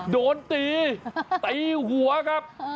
โดนตีตีหัวครับ